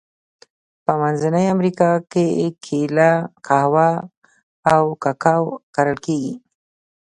په منځنۍ امریکا کې کېله، قهوه او کاکاو کرل کیږي.